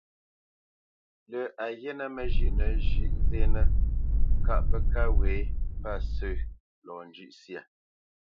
Lâ a ghíínə̂ məzhʉ́ʼnə zhʉ̌ʼ zénə́ kâʼ pə́ kâ wě mbâsə̂ lɔ njʉ̂ʼ syâ.